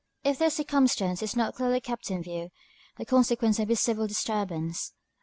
If this circumstance is not clearly kept in view, the consequence may be civil disturbance.